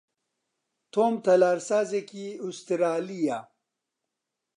تۆم تەلارسازێکی ئوسترالییە.